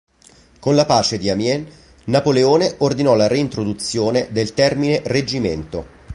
Con la pace di Amiens, Napoleone ordinò la reintroduzione del termine "reggimento".